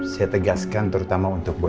saya tegaskan terutama untuk bu